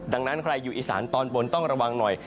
ดังนั้นใครอยู่อีสานตอนบนต้องระวังหน่อย